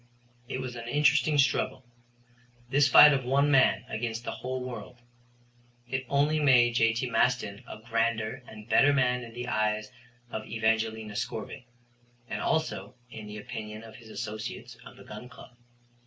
It was an interesting struggle this fight of one man against the whole world. It only made J.T. Maston a grander and better man in the eyes of Evangelina Scorbitt, and also in the opinion of his associates of the Gun Club.